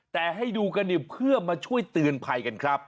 แต่ให้ดูกันเนี่ยเพื่อมาช่วยเตือนภัยกันครับ